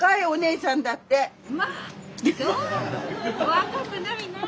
若くないない。